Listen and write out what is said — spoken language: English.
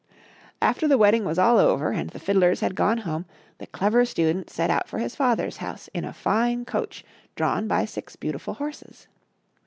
After the wedding was all over, and the fiddlers had gone home, the Clever Student set out for his father's house in a fine coach drawn by six beautiful horses.